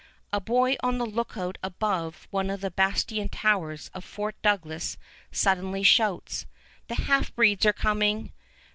A boy on the lookout above one of the bastion towers of Fort Douglas suddenly shouts, "The half breeds are coming!"